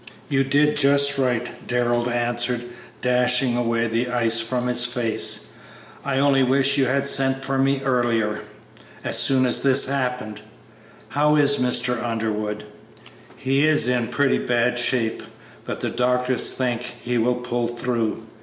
"You did just right," Darrell answered, dashing away the ice from his face; "I only wish you had sent for me earlier as soon as this happened. How is Mr. Underwood?" "He is in pretty bad shape, but the doctors think he will pull through.